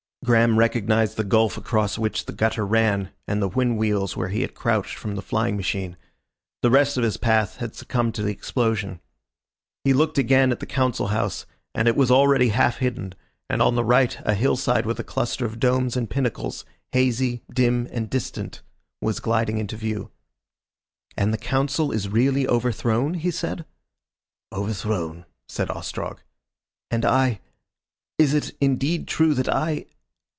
Graham recognised the gulf across which the gutter ran, and the wind wheels where he had crouched from the flying machine. The rest of his path had succumbed to the explosion. He looked again at the Council House, and it was already half hidden, and on the right a hillside with a cluster of domes and pinnacles, hazy, dim and distant, was gliding into view. "And the Council is really overthrown?" he said. "Overthrown," said Ostrog. "And I . Is it indeed true that I